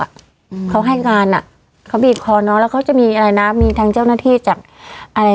อืมเขาให้การอ่ะเขาบีบคอน้องแล้วเขาจะมีอะไรนะมีทางเจ้าหน้าที่จากอะไร